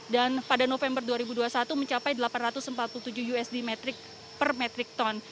dan pada november dua ribu dua puluh satu mencapai delapan ratus empat puluh tujuh usd per metric ton